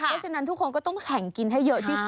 เพราะฉะนั้นทุกคนก็ต้องแข่งกินให้เยอะที่สุด